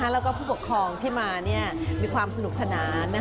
แล้วก็ผู้ปกครองที่มามีความสนุกสนาน